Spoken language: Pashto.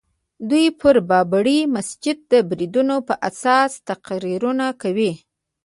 دوی پر بابري مسجد د بریدونو په اساس تقریرونه کوي.